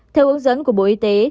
theo hướng dẫn của bộ y tế